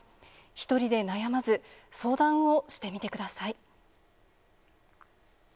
１人で悩まず、相談をしてみてください。